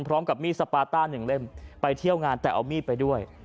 พร้อมกับมีดสปาต้าหนึ่งเล่มไปเที่ยวงานแต่เอามีดไปด้วย